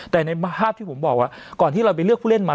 แต่ในภาพที่ผมบอกว่าก่อนที่เราไปเลือกผู้เล่นมา